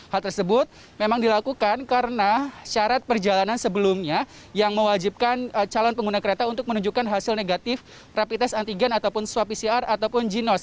hal tersebut memang dilakukan karena syarat perjalanan sebelumnya yang mewajibkan calon pengguna kereta untuk menunjukkan hasil negatif rapid test antigen ataupun swab pcr ataupun ginos